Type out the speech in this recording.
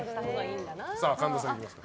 神田さん、いきましょう。